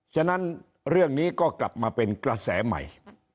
ฉะนั้นเรื่องนี้ก็กลับมาเป็นกระแสใหม่